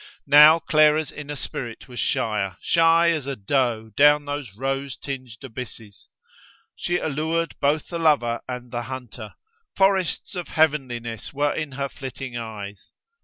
Now Clara's inner spirit was shyer, shy as a doe down those rose tinged abysses; she allured both the lover and the hunter; forests of heavenliness were in her flitting eyes.